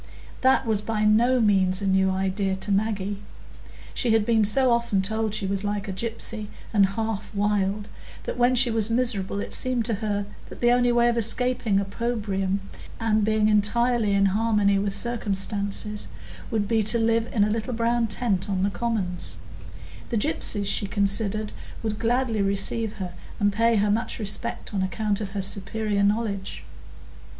That was by no means a new idea to Maggie; she had been so often told she was like a gypsy, and "half wild," that when she was miserable it seemed to her the only way of escaping opprobrium, and being entirely in harmony with circumstances, would be to live in a little brown tent on the commons; the gypsies, she considered, would gladly receive her and pay her much respect on account of her superior knowledge.